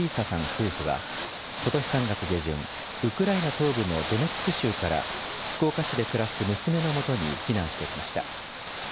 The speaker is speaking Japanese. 夫婦はことし３月下旬、ウクライナ東部のドネツク州から福岡市で暮らす娘の元に避難してきました。